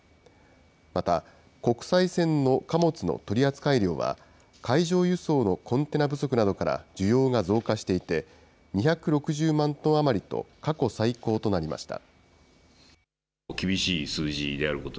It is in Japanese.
また、国際線の貨物の取り扱い量は、海上輸送のコンテナ不足などから需要が増加していて、２６０万トン余りと過去最高となりました。